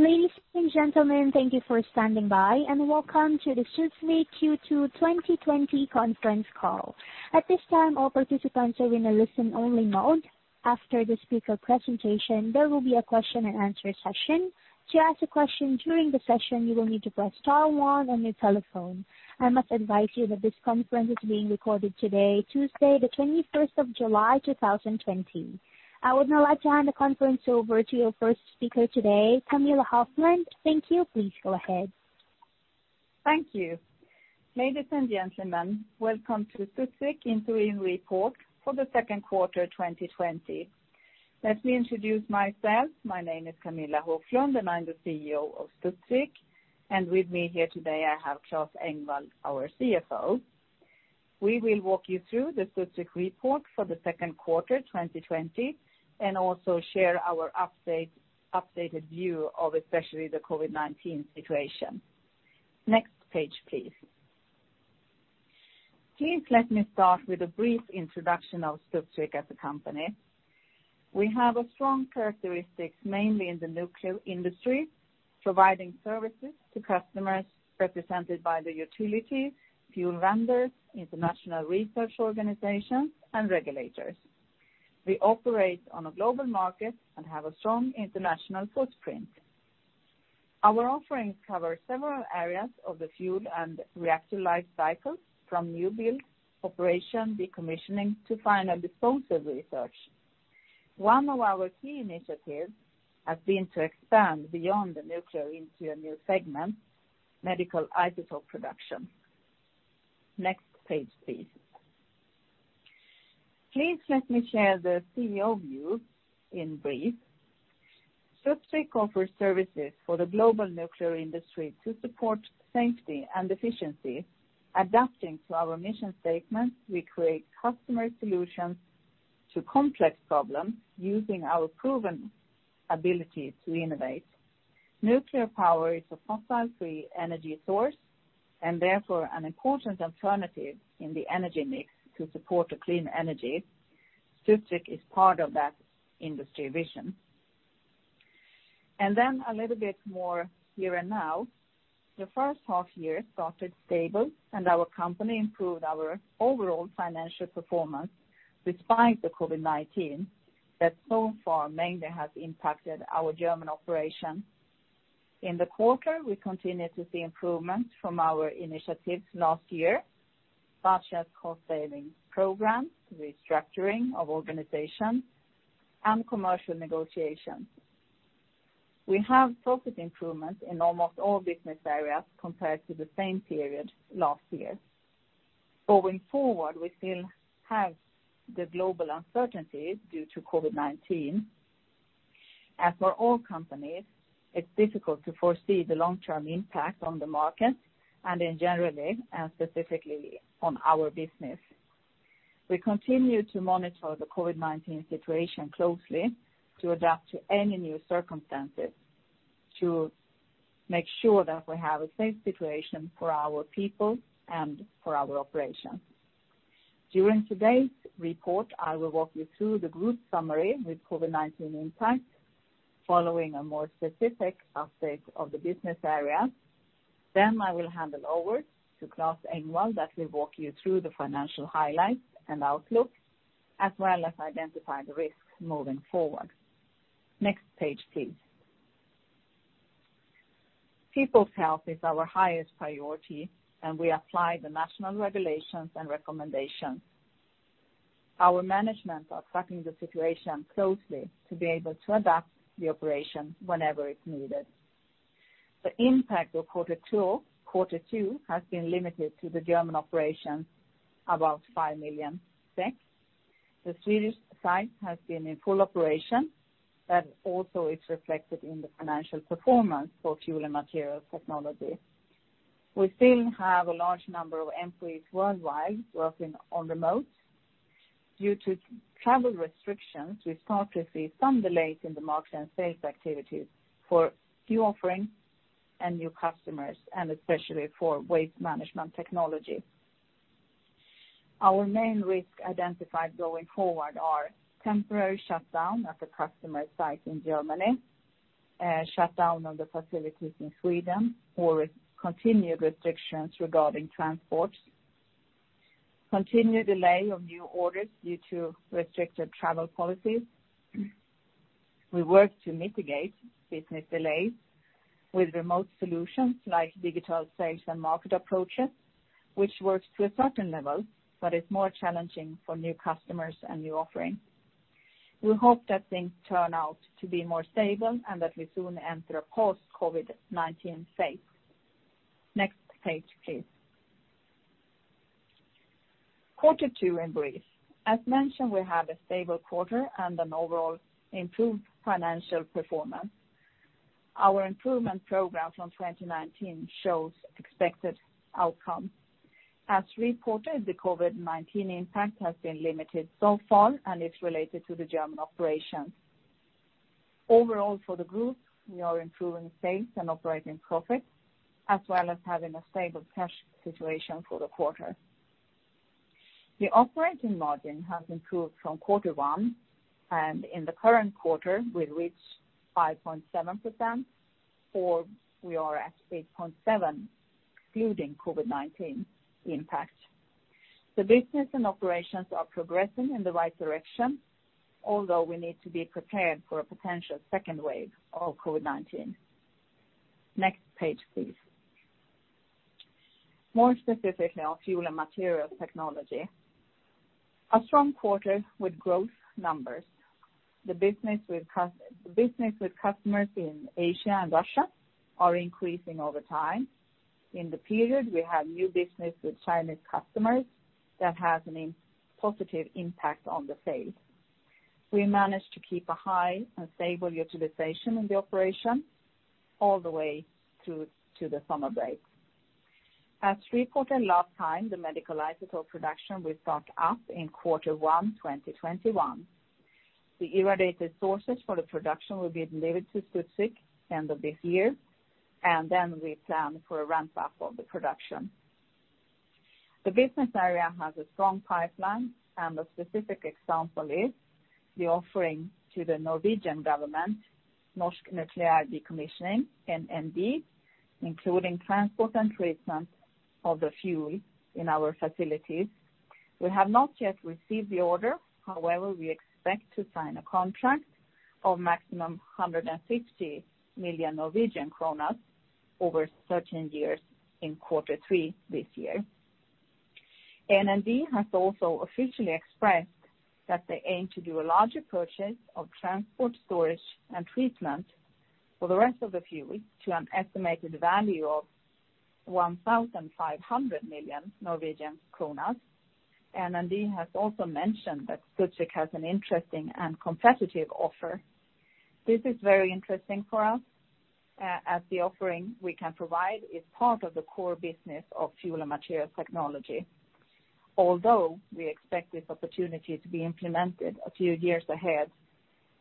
Ladies and gentlemen, thank you for standing by, and welcome to the Studsvik Q2 2020 conference call. At this time, all participants are in a listen-only mode. After the speaker presentation, there will be a question and answer session. To ask a question during the session, you will need to press star one on your telephone. I must advise you that this conference is being recorded today, Tuesday, the 21st of July, 2020. I would now like to hand the conference over to your first speaker today, Camilla Hoflund. Thank you. Please go ahead. Thank you. Ladies and gentlemen, welcome to Studsvik interim report for the second quarter 2020. Let me introduce myself. My name is Camilla Hoflund, and I'm the CEO of Studsvik. With me here today, I have Claes Engvall, our CFO. We will walk you through the Studsvik report for the second quarter 2020 and also share our updated view of especially the COVID-19 situation. Next page, please. Please let me start with a brief introduction of Studsvik as a company. We have a strong characteristic, mainly in the nuclear industry, providing services to customers represented by the utilities, fuel vendors, international research organizations, and regulators. We operate on a global market and have a strong international footprint. Our offerings cover several areas of the fuel and reactor life cycle, from new build, operation, decommissioning to final disposal research. One of our key initiatives has been to expand beyond the nuclear into a new segment, medical isotope production. Next page, please. Please let me share the CEO view in brief. Studsvik offers services for the global nuclear industry to support safety and efficiency. Adapting to our mission statement, we create customer solutions to complex problems using our proven ability to innovate. Nuclear power is a fossil-free energy source and therefore an important alternative in the energy mix to support a clean energy. Studsvik is part of that industry vision. A little bit more here and now. The first half year started stable, and our company improved our overall financial performance despite the COVID-19 that so far mainly has impacted our German operation. In the quarter, we continue to see improvement from our initiatives last year, such as cost-saving programs, restructuring of organization, and commercial negotiations. We have profit improvements in almost all business areas compared to the same period last year. We still have the global uncertainties due to COVID-19. As for all companies, it's difficult to foresee the long-term impact on the market and in general, and specifically on our business. We continue to monitor the COVID-19 situation closely to adapt to any new circumstances, to make sure that we have a safe situation for our people and for our operations. During today's report, I will walk you through the group summary with COVID-19 impact, following a more specific update of the business areas. I will hand it over to Claes Engvall, that will walk you through the financial highlights and outlook, as well as identify the risks moving forward. Next page, please. People's health is our highest priority, we apply the national regulations and recommendations. Our management are tracking the situation closely to be able to adapt the operation whenever it's needed. The impact of quarter two has been limited to the German operations, about 5 million. The Swedish site has been in full operation, and also it's reflected in the financial performance for Fuel and Materials Technology. We still have a large number of employees worldwide working on remote. Due to travel restrictions, we start to see some delays in the market and sales activities for new offerings and new customers, and especially for Waste Management Technology. Our main risk identified going forward are temporary shutdown at the customer site in Germany, shutdown of the facilities in Sweden or continued restrictions regarding transport, continued delay of new orders due to restricted travel policies. We work to mitigate business delays with remote solutions like digital sales and market approaches, which works to a certain level, but it's more challenging for new customers and new offerings. We hope that things turn out to be more stable and that we soon enter a post-COVID-19 phase. Next page, please. Quarter two in brief. As mentioned, we have a stable quarter and an overall improved financial performance. Our improvement program from 2019 shows expected outcome. As reported, the COVID-19 impact has been limited so far and is related to the German operations. Overall for the group, we are improving sales and operating profit, as well as having a stable cash situation for the quarter. The operating margin has improved from Q1, and in the current quarter, we reached 5.7%, or we are at 8.7% excluding COVID-19 impact. The business and operations are progressing in the right direction, although we need to be prepared for a potential second wave of COVID-19. Next page, please. More specifically on Fuel and Materials Technology, a strong quarter with growth numbers. The business with customers in Asia and Russia are increasing over time. In the period, we have new business with Chinese customers that has a positive impact on the sales. We managed to keep a high and stable utilization in the operation all the way to the summer break. As reported last time, the medical isotope production will start up in Q1 2021. The irradiated sources for the production will be delivered to Studsvik end of this year, and then we plan for a ramp-up of the production. The business area has a strong pipeline. The specific example is the offering to the Norwegian government, Norsk Nukleær Dekommisjonering, NND, including transport and treatment of the fuel in our facilities. We have not yet received the order. However, we expect to sign a contract of maximum 150 million Norwegian kroner over 13 years in Q3 this year. NND has also officially expressed that they aim to do a larger purchase of transport, storage, and treatment for the rest of the fuel to an estimated value of 1,500 million Norwegian kroner. NND has also mentioned that Studsvik has an interesting and competitive offer. This is very interesting for us, as the offering we can provide is part of the core business of Fuel and Materials Technology. We expect this opportunity to be implemented a few years ahead,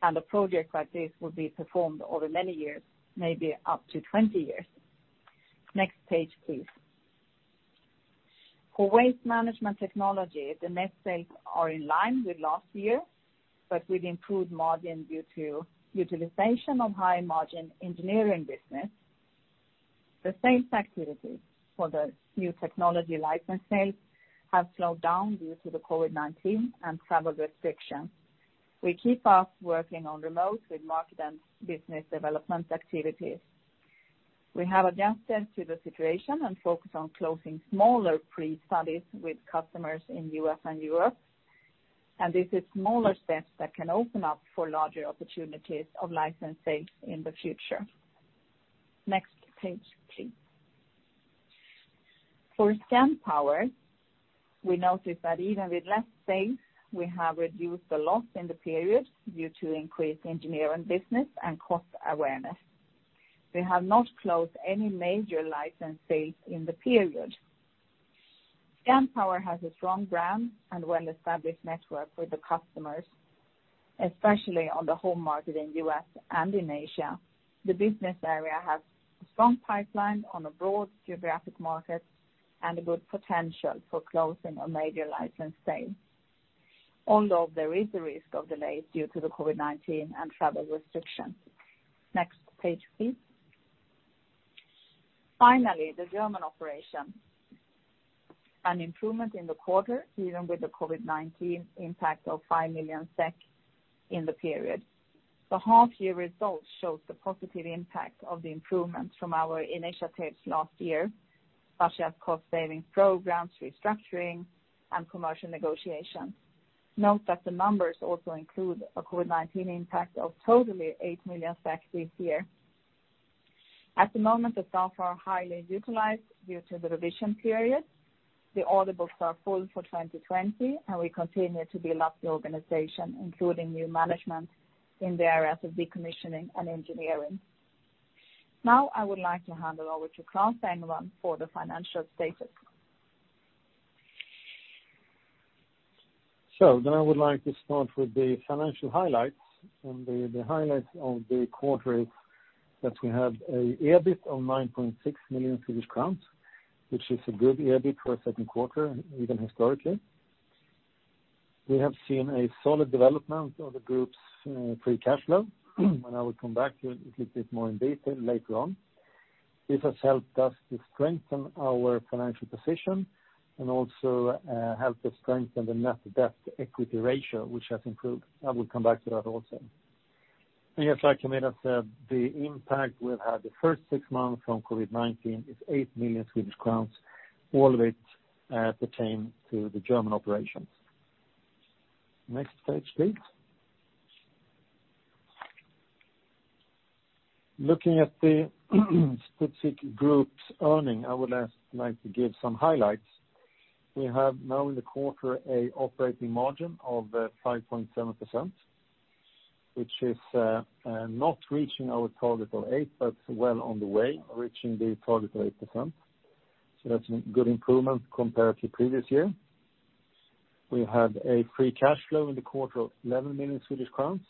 and a project like this will be performed over many years, maybe up to 20 years. Next page, please. For Waste Management Technology, the net sales are in line with last year, but with improved margin due to utilization of high-margin engineering business. The sales activities for the new technology license sales have slowed down due to the COVID-19 and travel restrictions. We keep us working on remote with market and business development activities. We have adjusted to the situation and focus on closing smaller pre-studies with customers in U.S. and Europe, and this is smaller steps that can open up for larger opportunities of license sales in the future. Next page, please. For Scanpower, we notice that even with less sales, we have reduced the loss in the period due to increased engineering business and cost awareness. We have not closed any major license sales in the period. Scanpower has a strong brand and well-established network with the customers, especially on the home market in the U.S. and in Asia. The business area has a strong pipeline on a broad geographic market and a good potential for closing a major license sale. There is a risk of delays due to the COVID-19 and travel restrictions. Next page, please. Finally, the German operation. An improvement in the quarter, even with the COVID-19 impact of 5 million SEK in the period. The half year results shows the positive impact of the improvements from our initiatives last year, such as cost-saving programs, restructuring, and commercial negotiations. Note that the numbers also include a COVID-19 impact of totally 8 million this year. At the moment, the staff are highly utilized due to the revision period. The order books are full for 2020. We continue to build up the organization, including new management in the areas of decommissioning and engineering. I would like to hand it over to Claes Engvall for the financial status. I would like to start with the financial highlights, and the highlights of the quarter is that we have an EBIT of 9.6 million Swedish crowns, which is a good EBIT for a second quarter, even historically. We have seen a solid development of the group's free cash flow, and I will come back to it a little bit more in detail later on. This has helped us to strengthen our financial position and also helped us strengthen the net debt-equity ratio, which has improved. I will come back to that also. Yes, like Camilla said, the impact we've had the first six months from COVID-19 is 8 million Swedish crowns, all of it pertained to the German operations. Next page, please. Looking at the Studsvik Group's earning, I would like to give some highlights. We have now in the quarter an operating margin of 5.7%, which is not reaching our target of 8%, but well on the way reaching the target of 8%. That's a good improvement compared to previous year. We had a free cash flow in the quarter of 11 million Swedish crowns.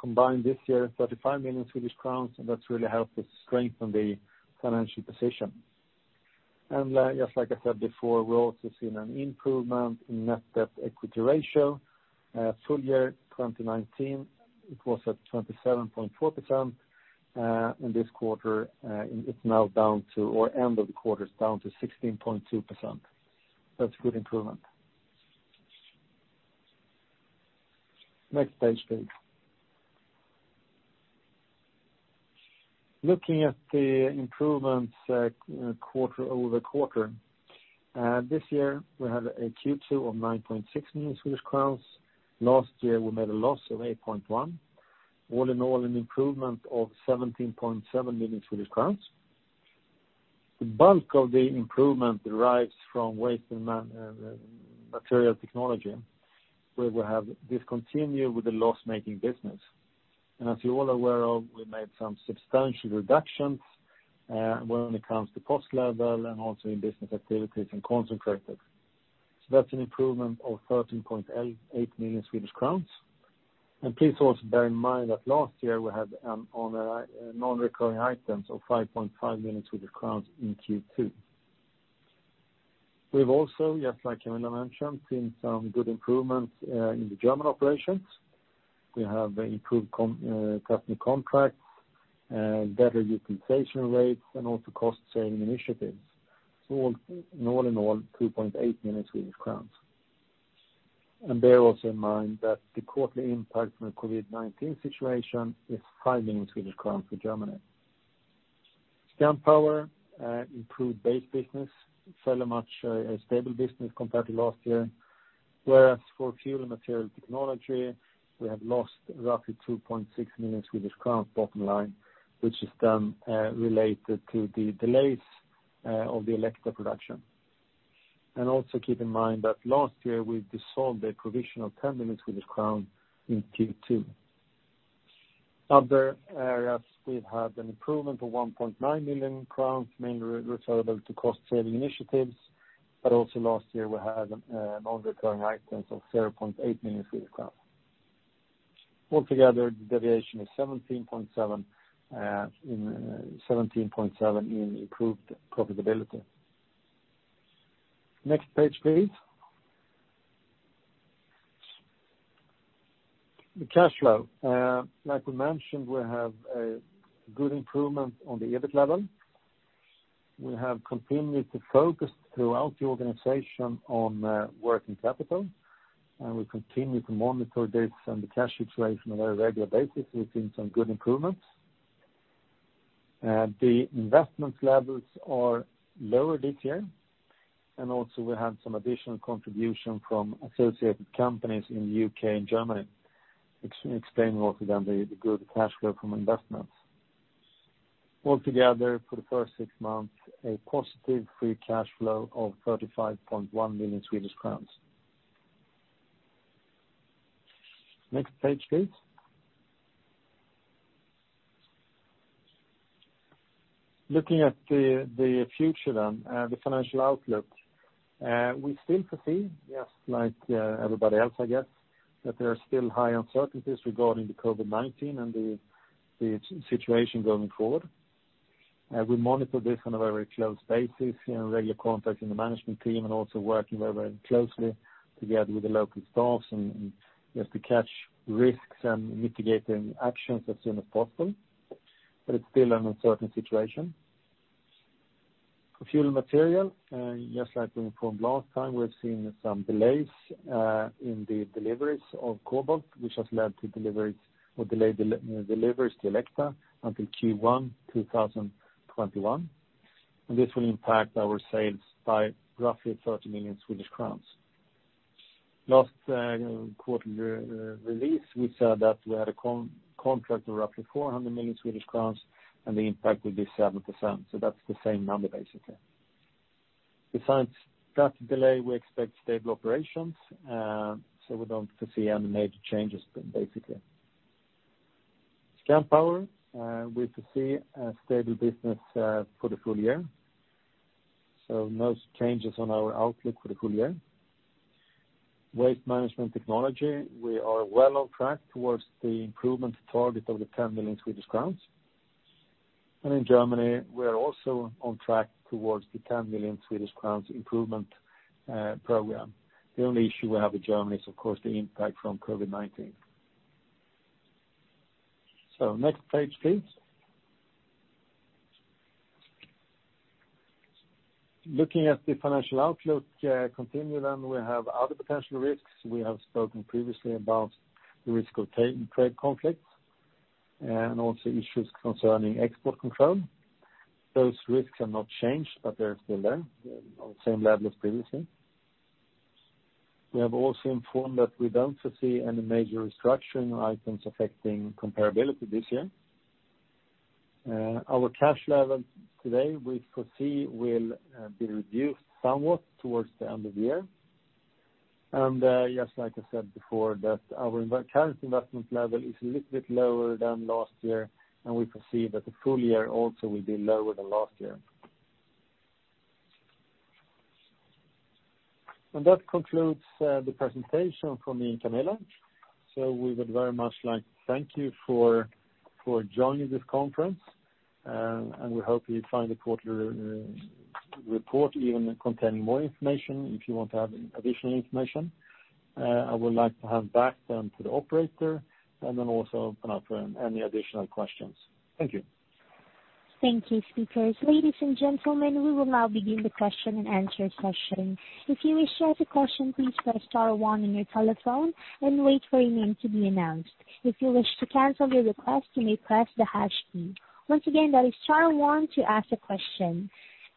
Combined this year, 35 million Swedish crowns, and that's really helped to strengthen the financial position. Just like I said before, we're also seeing an improvement in net debt-equity ratio. Full year 2019, it was at 27.4%. In this quarter, it's now down to, or end of the quarter, it's down to 16.2%. That's a good improvement. Next page, please. Looking at the improvements quarter-over-quarter. This year we have a Q2 of 9.6 million Swedish crowns. Last year, we made a loss of 8.1. All in all, an improvement of 17.7 million Swedish crowns. The bulk of the improvement derives from Waste Management Technology, where we have discontinued with the loss-making business. As you're all aware of, we made some substantial reductions, when it comes to cost level and also in business activities and concentrated. That's an improvement of 13.8 million Swedish crowns. Please also bear in mind that last year we had Non-Recurring Items of 5.5 million Swedish crowns in Q2. We've also, just like Camilla mentioned, seen some good improvements in the German operations. We have improved customer contracts, better utilization rates, and also cost-saving initiatives. All in all, 2.8 million Swedish crowns. Bear also in mind that the quarterly impact from the COVID-19 situation is 5 million Swedish crowns for Germany. Scanpower, improved base business, fairly much a stable business compared to last year. For Fuel and Materials Technology, we have lost roughly 2.6 million Swedish crowns bottom line, which is related to the delays of the Elekta production. Also keep in mind that last year we dissolved a provisional SEK 10 million in Q2. Other areas we've had an improvement of 1.9 million crowns, mainly attributable to cost-saving initiatives, but also last year we had Non-Recurring Items of 0.8 million Swedish crowns. Altogether, the deviation is 17.7 in improved profitability. Next page, please. The cash flow. Like we mentioned, we have a good improvement on the EBIT level. We have continued to focus throughout the organization on working capital, we continue to monitor this and the cash situation on a very regular basis. We've seen some good improvements. The investment levels are lower this year, and also we have some additional contribution from associated companies in the U.K. and Germany, explain also then the good cash flow from investments. Altogether for the first six months, a positive free cash flow of 35.1 million Swedish crowns. Next page, please. Looking at the future, the financial outlook. We still foresee, just like everybody else, I guess, that there are still high uncertainties regarding the COVID-19 and the situation going forward. We monitor this on a very close basis, in regular contact in the management team, and also working very closely together with the local staffs, and just to catch risks and mitigating actions as soon as possible. It's still an uncertain situation. For fuel material, just like we informed last time, we've seen some delays in the deliveries of cobalt, which has led to delayed deliveries to Elekta until Q1 2021. This will impact our sales by roughly 30 million Swedish crowns. Last quarter release, we said that we had a contract of roughly 400 million Swedish crowns and the impact would be 7%. That's the same number, basically. Besides that delay, we expect stable operations, we don't foresee any major changes then, basically. Scanpower, we foresee a stable business for the full year. No changes on our outlook for the full year. Waste Management Technology, we are well on track towards the improvement target of the 10 million Swedish crowns. In Germany, we are also on track towards the 10 million Swedish crowns improvement program. The only issue we have with Germany is, of course, the impact from COVID-19. Next page, please. Looking at the financial outlook continuing, we have other potential risks. We have spoken previously about the risk of trade conflicts and also issues concerning export control. Those risks have not changed, they're still there on the same level as previously. We have also informed that we don't foresee any major restructuring items affecting comparability this year. Our cash level today we foresee will be reduced somewhat towards the end of the year. Just like I said before, our current investment level is a little bit lower than last year, and we foresee that the full year also will be lower than last year. That concludes the presentation from me and Camilla. We would very much like to thank you for joining this conference, and we hope you find the quarterly report even containing more information if you want to have additional information. I would like to hand back then to the operator and then also open up for any additional questions. Thank you. Thank you, speakers. Ladies and gentlemen, we will now begin the question and answer session. If you wish to ask a question, please press star one on your telephone and wait for your name to be announced. If you wish to cancel your request, you may press the hash key. Once again, that is star one to ask a question.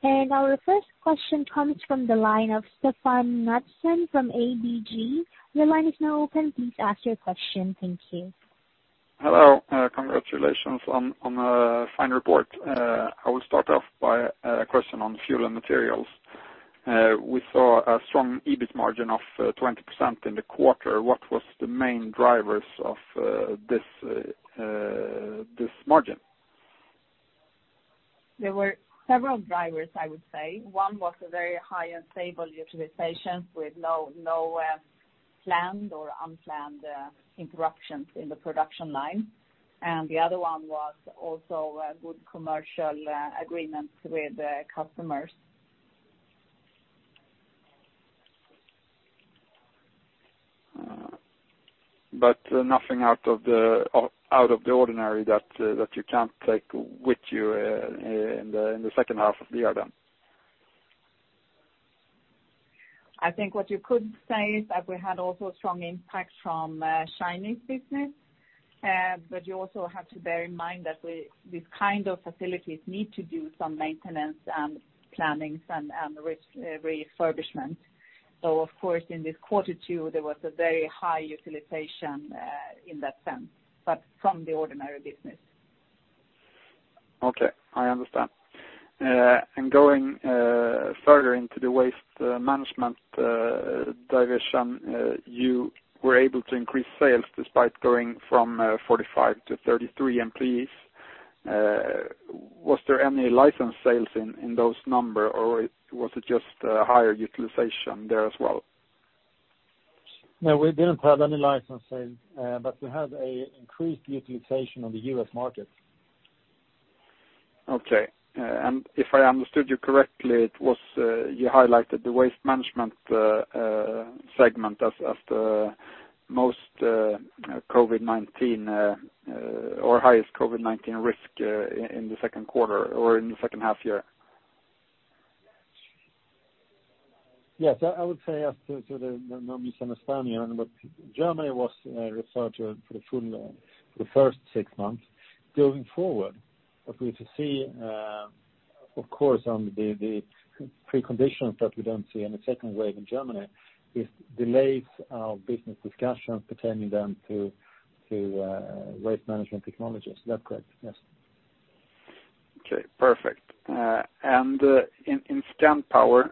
Our first question comes from the line of Stefan Knutsson from ABG. Your line is now open. Please ask your question. Thank you. Hello. Congratulations on a fine report. I will start off by a question on Fuel and Materials. We saw a strong EBIT margin of 20% in the quarter. What was the main drivers of this margin? There were several drivers, I would say. One was a very high and stable utilization with no planned or unplanned interruptions in the production line. The other one was also good commercial agreements with customers. Nothing out of the ordinary that you can't take with you in the second half of the year, then? I think what you could say is that we had also strong impact from China's business. You also have to bear in mind that these kind of facilities need to do some maintenance and planning and refurbishment. Of course, in this quarter two, there was a very high utilization in that sense, but from the ordinary business. Okay, I understand. Going further into the Waste Management division, you were able to increase sales despite going from 45 to 33 employees. Was there any license sales in those number, or was it just a higher utilization there as well? No, we didn't have any license sales. We had an increased utilization on the U.S. market. Okay. If I understood you correctly, you highlighted the Waste Management segment as the most COVID-19 or highest COVID-19 risk in the second quarter or in the second half year. Yes, I would say as to the no misunderstanding, but Germany was referred to for the first six months. Going forward, if we're to see, of course, on the preconditions that we don't see any second wave in Germany, it delays our business discussions pertaining then to Waste Management Technologies. Is that correct? Yes. Okay, perfect. In Scanpower,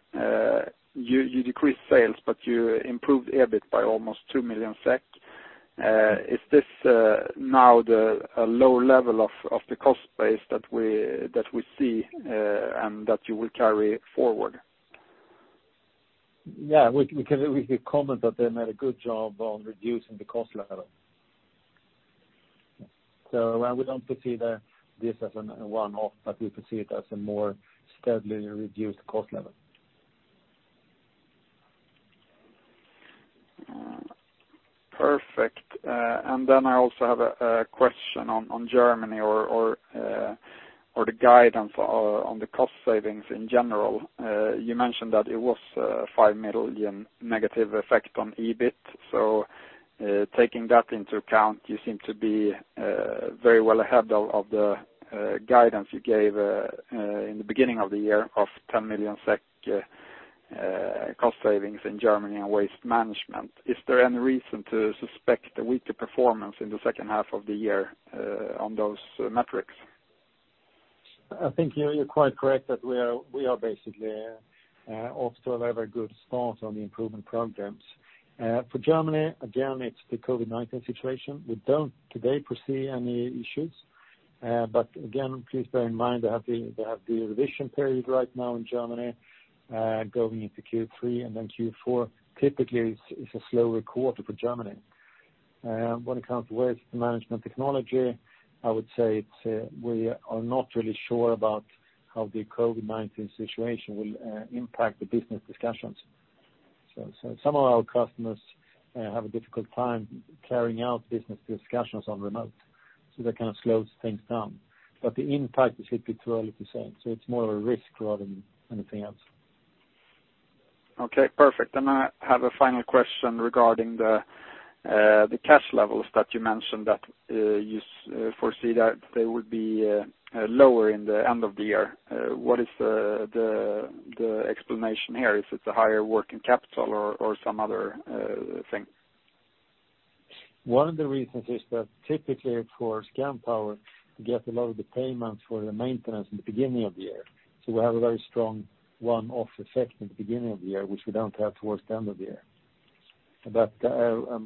you decreased sales, but you improved EBIT by almost two million SEK. Is this now the low level of the cost base that we see and that you will carry forward? Yeah, we could comment that they made a good job on reducing the cost level. We don't perceive this as a one-off, but we perceive it as a more steadily reduced cost level. Perfect. I also have a question on Germany or the guidance on the cost savings in general. You mentioned that it was a 5 million negative effect on EBIT. Taking that into account, you seem to be very well ahead of the guidance you gave in the beginning of the year of 10 million SEK cost savings in Germany and waste management. Is there any reason to suspect a weaker performance in the second half of the year on those metrics? I think you're quite correct that we are basically off to a very good start on the improvement programs. For Germany, again, it's the COVID-19 situation. We don't today foresee any issues. Again, please bear in mind, they have the revision period right now in Germany, going into Q3 and then Q4 typically is a slower quarter for Germany. When it comes to Waste Management Technology, I would say we are not really sure about how the COVID-19 situation will impact the business discussions. Some of our customers have a difficult time carrying out business discussions on remote, so that kind of slows things down. The impact should be relatively same. It's more of a risk rather than anything else. Okay, perfect. I have a final question regarding the cash levels that you mentioned that you foresee that they would be lower in the end of the year. What is the explanation here? Is it the higher working capital or some other thing? One of the reasons is that typically for Scanpower, we get a lot of the payments for the maintenance in the beginning of the year. We have a very strong one-off effect in the beginning of the year, which we don't have towards the end of the year.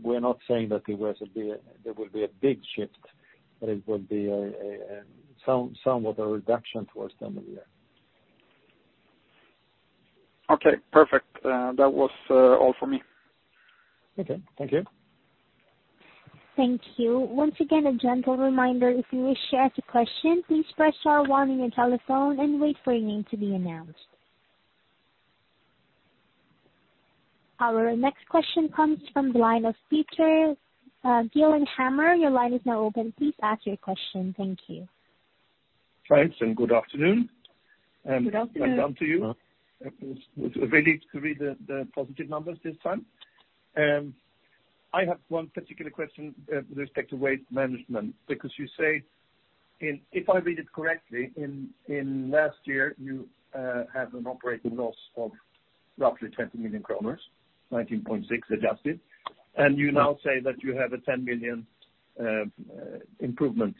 We're not saying that there will be a big shift, but it would be somewhat a reduction towards the end of the year. Okay, perfect. That was all for me. Okay. Thank you. Thank you. Once again, a gentle reminder, if you wish to ask a question, please press star one on your telephone and wait for your name to be announced. Our next question comes from the line of Peter. Dylan Hammer, your line is now open. Please ask your question. Thank you. Thanks, and good afternoon. Good afternoon. Back on to you. It was really great to read the positive numbers this time. I have one particular question with respect to waste management, because you say, if I read it correctly, in last year, you had an operating loss of roughly 20 million kronor, 19.6 adjusted, and you now say that you have a 10 million improvement,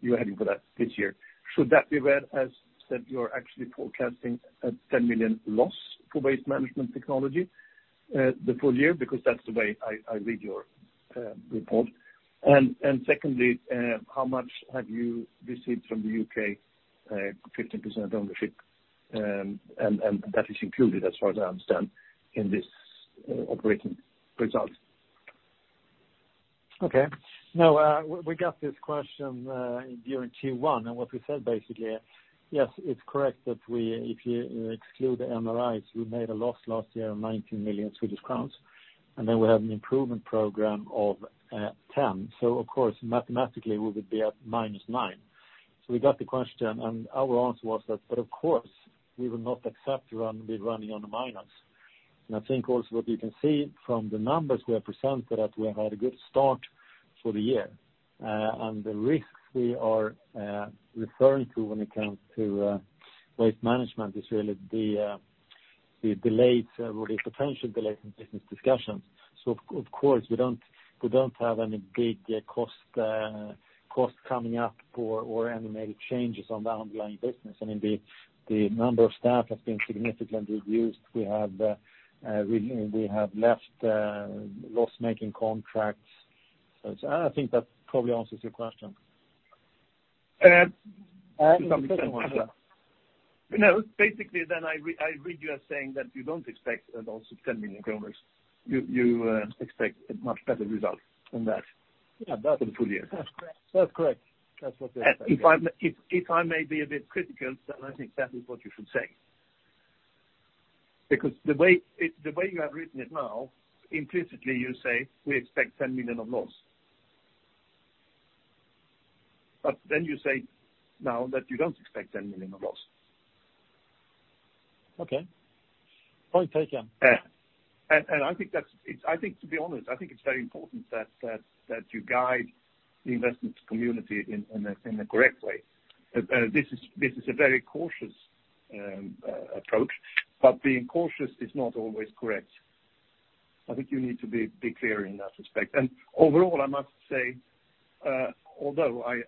you're heading for that this year. Should that be read as that you're actually forecasting a 10 million loss for Waste Management Technology the full year? Because that's the way I read your report. Secondly, how much have you received from the U.K., 15% ownership, and that is included as far as I understand in this operating result? We got this question during Q1, and what we said, basically, yes, it's correct that if you exclude the NRIs, we made a loss last year of 19 million Swedish crowns. Then we have an improvement program of 10 million. Of course, mathematically, we would be at minus 9 million. We got the question, and our answer was that, but of course, we will not accept be running on a minus. I think also what you can see from the numbers we have presented, that we have had a good start for the year. The risks we are referring to when it comes to Waste Management is really the potential delay in business discussions. Of course, we don't have any big costs coming up or any major changes on the underlying business. The number of staff has been significantly reduced. We have left loss-making contracts. I think that probably answers your question. Just something small. Yeah. No. Basically, I read you as saying that you don't expect a loss of 10 million kronor. You expect a much better result than that. Yeah for the full year. That's correct. That's what we are saying. If I may be a bit critical, then I think that is what you should say. The way you have written it now, implicitly you say, we expect 10 million of loss. You say now that you don't expect 10 million of loss. Okay. Point taken. To be honest, I think it's very important that you guide the investment community in a correct way. This is a very cautious approach, but being cautious is not always correct. I think you need to be clear in that respect. Overall, I must say, although I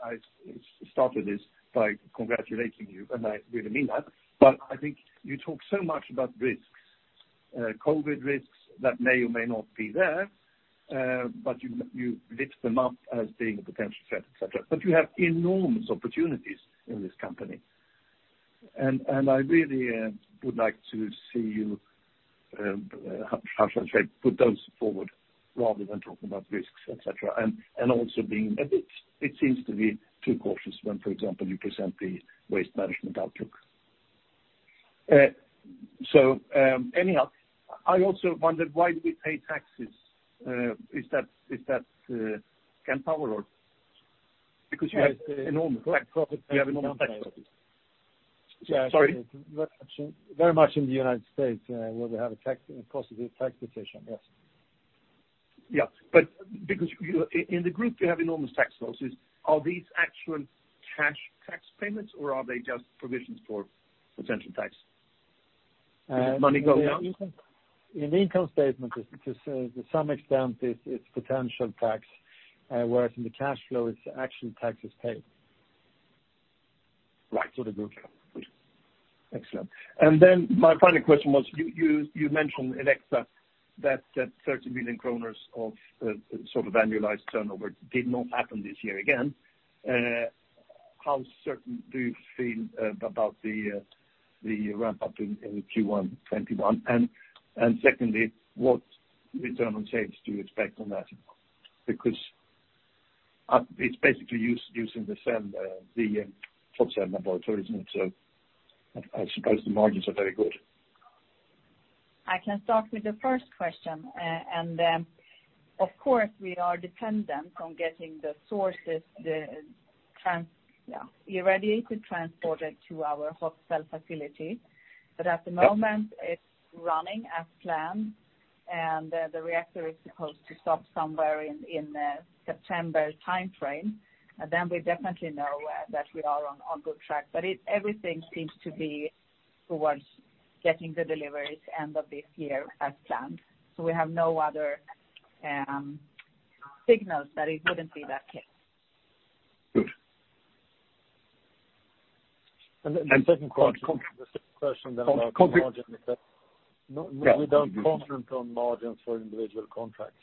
started this by congratulating you, and I really mean that, but I think you talk so much about risks. COVID risks that may or may not be there, but you lift them up as being a potential threat, et cetera. You have enormous opportunities in this company. I really would like to see you, how should I say, put those forward rather than talking about risks, et cetera. Also being a bit, it seems to be too cautious when, for example, you present the waste management outlook. Anyhow, I also wondered why do we pay taxes? Is that Scanpower or? Because you have enormous- Profit- You have enormous tax profits. Sorry. Very much in the United States, where we have a cost of tax position. Yes. Yeah, because in the group, you have enormous tax losses. Are these actual cash tax payments or are they just provisions for potential tax? Does money go down? In the income statement, to some extent, it's potential tax, whereas in the cash flow, it's actual taxes paid. Right. For the group. Excellent. My final question was, you mentioned Elekta, that 30 million kronor of sort of annualized turnover did not happen this year again. How certain do you feel about the ramp-up in Q1 2021? Secondly, what return on sales do you expect on that? Because it's basically using the same hot cell laboratory, isn't it? I suppose the margins are very good. I can start with the first question. Of course, we are dependent on getting the sources, the irradiated transported to our hot cell facility. At the moment, it's running as planned, and the reactor is supposed to stop somewhere in the September timeframe. We definitely know that we are on good track. Everything seems to be towards getting the deliveries end of this year as planned. We have no other signals that it wouldn't be that case. Good. The second question then about the margin, we don't comment on margins for individual contracts.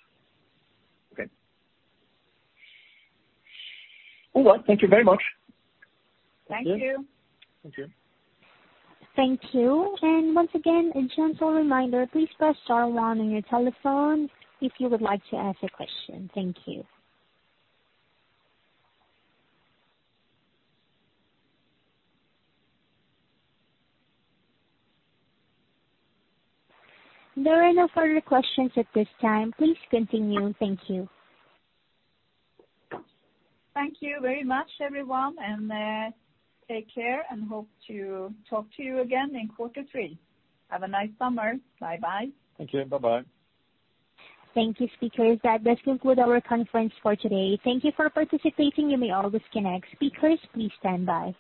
Okay. All right. Thank you very much. Thank you. Thank you. Thank you. Once again, a gentle reminder, please press star one on your telephone if you would like to ask a question. Thank you. There are no further questions at this time. Please continue. Thank you. Thank you very much, everyone, and take care, and hope to talk to you again in quarter three. Have a nice summer. Bye-bye. Thank you. Bye-bye. Thank you, speakers. That does conclude our conference for today. Thank you for participating, you may all disconnect. Speakers, please stand by.